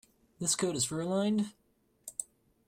This coat is fur-lined.